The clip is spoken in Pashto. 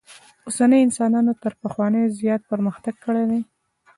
اوسني انسانانو تر پخوانیو زیات پرمختک کړی دئ.